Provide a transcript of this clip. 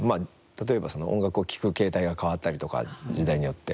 例えば、音楽を聴く形態が変わったりとか、時代によって。